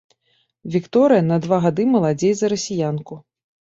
Вікторыя на два гады маладзей за расіянку.